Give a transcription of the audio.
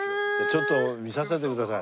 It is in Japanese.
ちょっと見させてください。